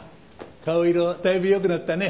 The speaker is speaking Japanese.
顔色だいぶ良くなったね。